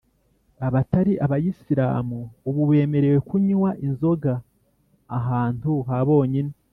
Abatari abayisilamu ubu bemerewe kunywa inzoga ahantu ha bonyine